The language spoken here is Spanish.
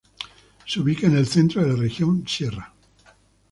Se ubica en el centro de la Región Sierra.